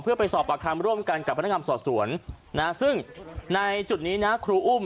เพื่อไปสอบประคำร่วมกันกับพนักงานสอบสวนนะซึ่งในจุดนี้นะครูอุ้ม